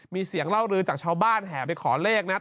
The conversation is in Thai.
มีเสียงเล่าลือจากชาวบ้านแห่ไปขอเลขนะ